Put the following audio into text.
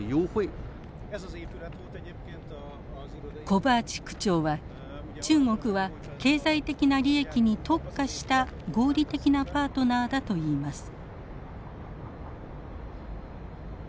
コバーチ区長は中国は経済的な利益に特化した合理的なパートナーだと言います。